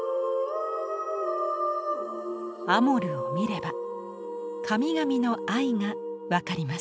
アモルを見れば神々の愛が分かります。